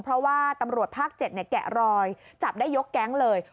เพราะว่าตำรวจภาค๗แกะรอยจับได้ยกแก๊งเลย